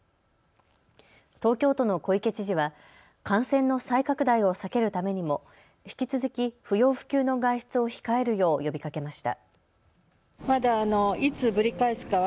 東京都の小池知事は感染の再拡大を避けるためにも引き続き不要不急の外出を控えるよう呼びかけました。